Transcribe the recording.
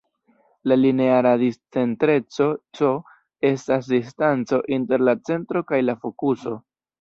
La lineara discentreco "c" estas distanco inter la centro kaj la fokuso.